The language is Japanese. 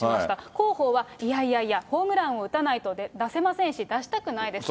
広報は、いやいやいや、ホームランを打たないと出せませんし、出したくないですと。